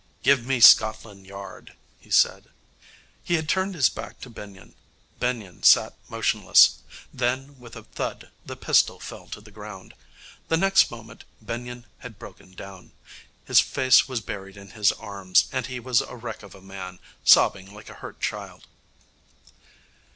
'Give me Scotland Yard,' he said. He had turned his back to Benyon. Benyon sat motionless. Then, with a thud, the pistol fell to the ground. The next moment Benyon had broken down. His face was buried in his arms, and he was a wreck of a man, sobbing like a hurt child.